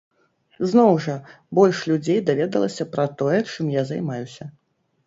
Зноў жа, больш людзей даведалася пра тое, чым я займаюся.